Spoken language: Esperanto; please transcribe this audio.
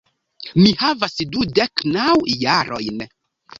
Mi havas dudek naŭ jarojn.